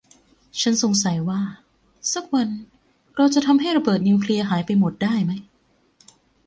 ฉันสงสัยว่าสักวันเราจะทำให้ระเบิดนิวเคลียร์หายไปหมดได้มั้ย